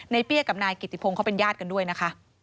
เปี้ยกับนายกิติพงศ์เขาเป็นญาติกันด้วยนะคะ